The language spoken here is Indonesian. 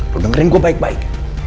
gue dengerin gue baik baik